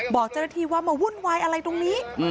บอกเจ้าหน้าที่ว่ามาวุ่นวายอะไรตรงนี้